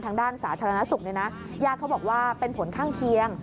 ทางด้านสาธารณสุขเนี่ยนะญาติเขาบอกว่าเป็นผลข้างเคียง